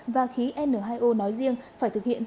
và khí n hai o nói riêng phải thực hiện